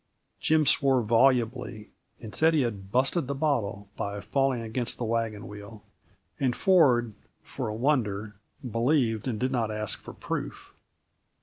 Jim swore volubly and said he had "busted the bottle" by falling against the wagon wheel; and Ford, for a wonder, believed and did not ask for proof.